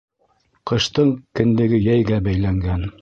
Ҡыштың кендеге йәйгә бәйләнгән.